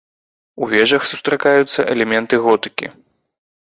У вежах сустракаюцца элементы готыкі.